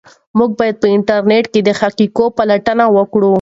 موږ باید په انټرنيټ کې د حقایقو پلټنه وکړو.